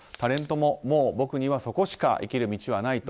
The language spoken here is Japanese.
もう僕にはそこしか生きる道はないと。